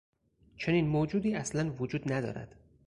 چنین موجودی اصلا وجود ندارد.